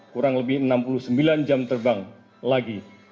kurang lebih enam puluh sembilan jam terbang lagi